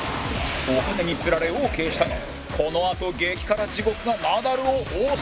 お金に釣られオーケーしたがこのあと激辛地獄がナダルを襲う！